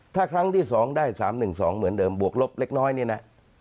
ถ้าครั้งที่๒ได้๓๑๒เหมือนเดิมบวกลบเล็กน้อยนี่นะ